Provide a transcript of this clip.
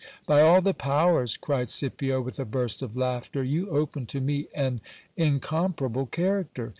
By all the powers ! cried Scipio with a burst of laughter, you open to me an incomparable character.